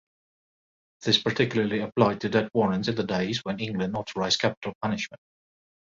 This particularly applied to death warrants in the days when England authorized capital punishment.